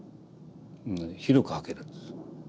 広く掃けるんです。